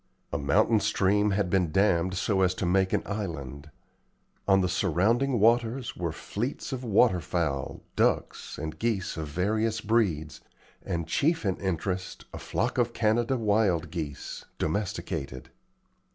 A mountain stream had been dammed so as to make an island. On the surrounding waters were fleets of water fowl, ducks and geese of various breeds, and, chief in interest, a flock of Canada wild geese, domesticated.